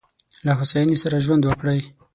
له هوساینې سره ژوند وکړئ.